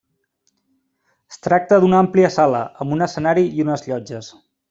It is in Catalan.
Es tracta d'una àmplia sala, amb un escenari i unes llotges.